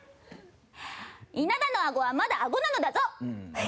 稲田のあごはまだあごなのだぞ。